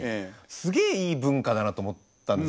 すげえいい文化だなと思ったんですよね。